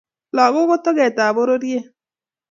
Lakok ko toket ab pororiet